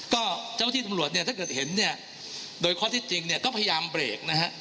ก็เจ้าที่ตำรวจถ้าเกิดเห็นเนี่ยโดยข้อที่จริงก็พยายามเบรกนะครับ